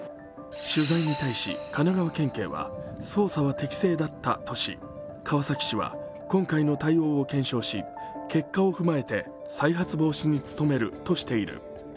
取材に対し、神奈川県警は捜査は適正だったとし、川崎市は、今回の対応を検証し結果を踏まえて再発防止に努めるとしている。